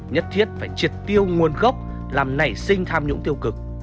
nhất thiết phải triệt tiêu nguồn gốc làm nảy sinh tham nhũng tiêu cực